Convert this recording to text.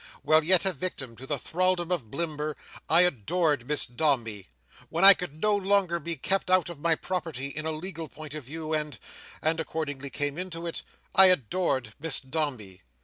While yet a victim to the thraldom of Blimber, I adored Miss Dombey. When I could no longer be kept out of my property, in a legal point of view, and—and accordingly came into it—I adored Miss Dombey.